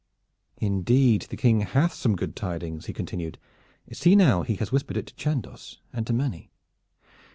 "Indeed the King hath some good tidings," he continued. "See now, he has whispered it to Chandos and to Manny.